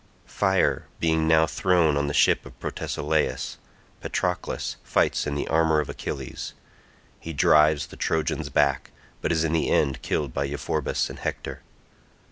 Fire being now thrown on the ship of Protesilaus, Patroclus fights in the armour of Achilles—He drives the Trojans back, but is in the end killed by Euphorbus and Hector.